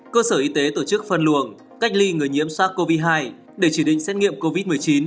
cơ sở y tế tổ chức phân luồng cách ly người nhiễm soát covid một mươi chín để chỉ định xét nghiệm covid một mươi chín